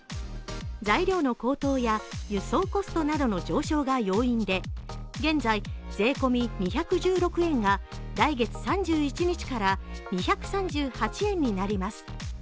材料の高騰や輸送コストなどの上昇が要因で現在、税込み２１６円が来月３１日から２３８円になります。